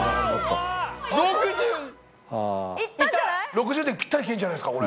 ６０でぴったり消えるんじゃないですか？